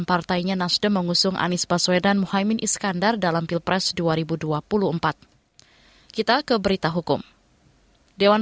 pertama kali kita berkahwin